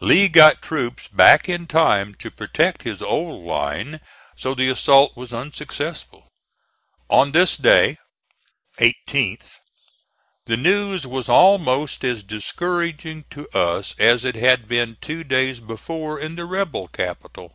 Lee got troops back in time to protect his old line, so the assault was unsuccessful. On this day (18th) the news was almost as discouraging to us as it had been two days before in the rebel capital.